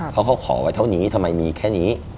เพราะเขาขอไว้เท่านี้ทำไมมีแค่นี้